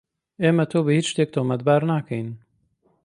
ئێمە تۆ بە هیچ شتێک تۆمەتبار ناکەین.